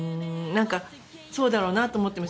そうだろうなと思ってました。